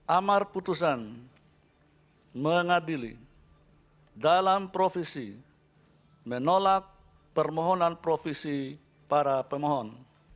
amar putusan mengadili dalam provisi menolak permohonan provisi para pemohon